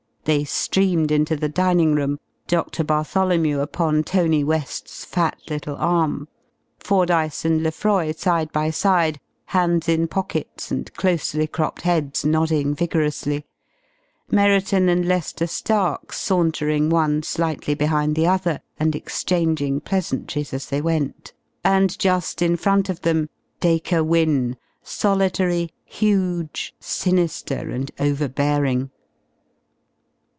They streamed into the dining room, Doctor Bartholomew upon Tony West's fat little arm; Fordyce and Lefroy, side by side, hands in pockets and closely cropped heads nodding vigorously; Merriton and Lester Stark sauntering one slightly behind the other, and exchanging pleasantries as they went; and just in front of them, Dacre Wynne, solitary, huge, sinister, and overbearing.